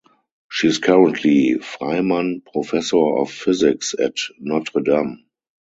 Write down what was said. She is currently Freimann Professor of Physics at Notre Dame.